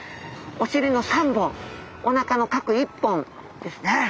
お臀の３本おなかの各１本ですね。